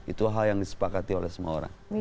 itu hal yang disepakati oleh semua orang